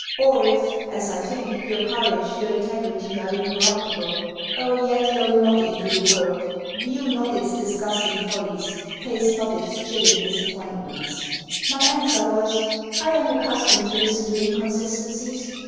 Or if, as I think, your courage, your integrity, are incorruptible. Oh yet, go not into the world! View not its disgusting follies! Taste not its chilling disappointments!' My answer was: 'I am accustomed to listen to inconsistencies.